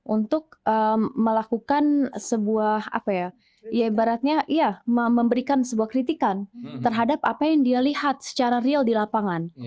untuk melakukan sebuah apa ya ibaratnya ya memberikan sebuah kritikan terhadap apa yang dia lihat secara real di lapangan